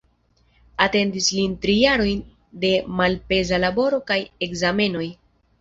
Atendis lin tri jarojn de malpeza laboro kaj ekzamenoj.